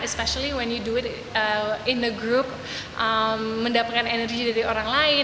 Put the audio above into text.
especially when you do it in a group mendapatkan energi dari orang lain